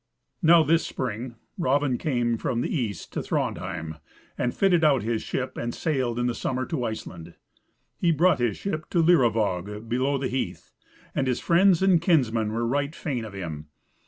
Now this spring Raven came from the east to Thrandheim, and fitted out his ship, and sailed in the summer to Iceland. He brought his ship to Leiruvag, below the Heath, and his friends and kinsmen were right fain of him.